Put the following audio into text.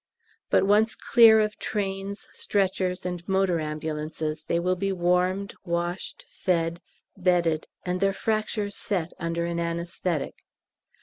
But once clear of trains, stretchers, and motor ambulances they will be warmed, washed, fed, bedded, and their fractures set under an anæsthetic.